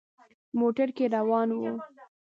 موټر کې روان وو.